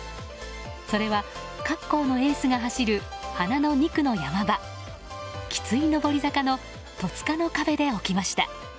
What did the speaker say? それは各校のエースが走る花の２区の山場きつい上り坂の戸塚の壁で起きました。